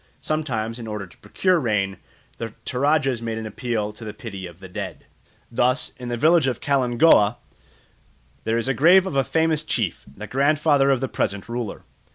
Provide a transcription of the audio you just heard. Sometimes, in order to procure rain, the Toradjas make an appeal to the pity of the dead. Thus, in the village of Kalingooa, there is the grave of a famous chief, the grandfather of the present ruler.